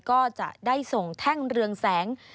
ก็จะได้ส่งแท่งเรืองแสง